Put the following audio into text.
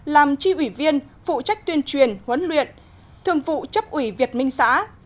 làm chi ủy viên phụ trách tuyên truyền huấn luyện thường vụ chấp ủy việt minh xã